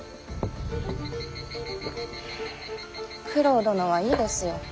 九郎殿はいいですよ。